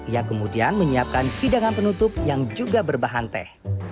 ia kemudian menyiapkan hidangan penutup yang juga berbahan teh